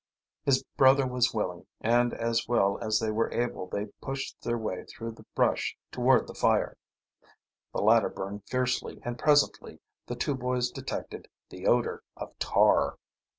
His brother was willing, and as well as they were able they pushed their way through the brush toward the fire. The latter burned fiercely, and presently the two boys detected the odor of tar.